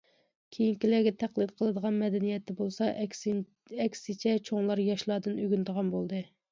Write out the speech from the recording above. كېيىنكىلەرگە تەقلىد قىلىدىغان مەدەنىيەتتە بولسا، ئەكسىچە چوڭلار ياشلاردىن ئۆگىنىدىغان بولدى.